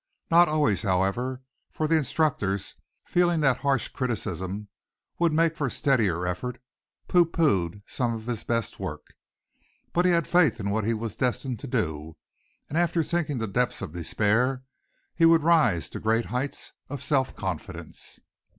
Not always, however; for the instructors, feeling that harsh criticism would make for steadier effort, pooh poohed some of his best work. But he had faith in what he was destined to do, and after sinking to depths of despair he would rise to great heights of self confidence.